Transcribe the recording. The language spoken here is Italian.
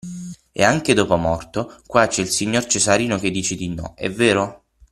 E anche dopo morto, qua c'è il signor Cesarino che dice di no, è vero?